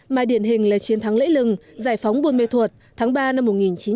mà điển hình là chiến thắng lễ lừng giải phóng buôn mê thuột tháng ba năm một nghìn chín trăm bảy mươi năm